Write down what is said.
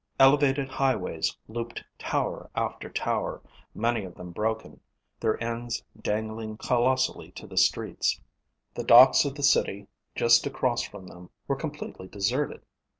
Elevated highways looped tower after tower, many of them broken, their ends dangling colossaly to the streets. The docks of the city just across from them were completely deserted.